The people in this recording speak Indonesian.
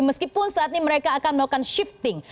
meskipun saat ini mereka akan melakukan shifting